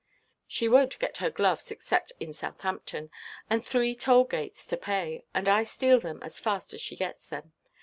She wonʼt get her gloves except in Southampton, and three toll–gates to pay, and I steal them as fast as she gets them.